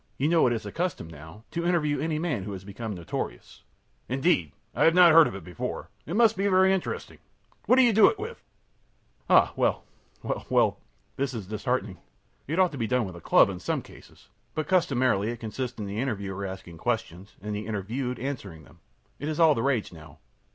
You know it is the custom, now, to interview any man who has become notorious.ö ōIndeed, I had not heard of it before. It must be very interesting. What do you do it with?ö ōAh, well well well this is disheartening. It ought to be done with a club in some cases; but customarily it consists in the interviewer asking questions and the interviewed answering them. It is all the rage now.